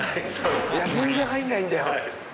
全然入んないんだよ。